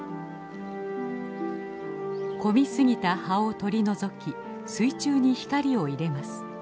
混みすぎた葉を取り除き水中に光を入れます。